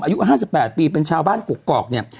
อายุ๕๘ปีเป็นชาวบ้านกกอกเนี่ย